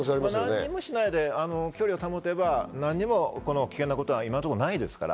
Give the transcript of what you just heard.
何もしないで距離を保てば、危険なことは今のところないですから。